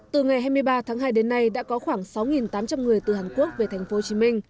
từ ngày hai mươi ba tháng hai đến nay đã có khoảng sáu tám trăm linh người từ hàn quốc về tp hcm